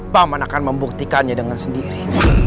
paman akan membuktikannya dengan sendiri